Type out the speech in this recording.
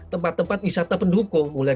tempat tempat wisata pendukung mulai